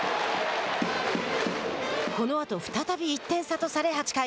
このあと再び１点差とされ８回。